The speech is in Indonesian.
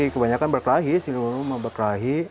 kebanyakan berkelahi sih dulu berkelahi